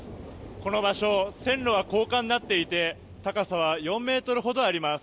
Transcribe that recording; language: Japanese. この場所、線路は高架になっていて高さは４ｍほどあります。